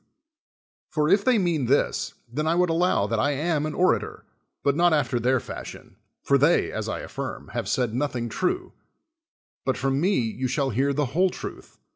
65 THE WORLD'S FAMOUS ORATIONS For if they mean this, then I would allow that T am an orator, but not after their fashion; for they, as I affirm, have said nothing true ; but from me you shall hear the whole truth.